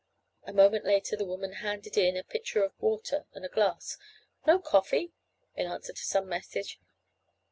A moment later the woman handed in a pitcher of water and a glass. "No coffee?" in answer to some message.